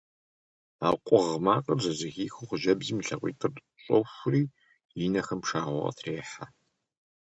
А къугъ макъыр зэрызэхихыу, хъыджэбзым и лъакъуитӀыр щӀохури, и нэхэм пшагъуэ къытрехьэ…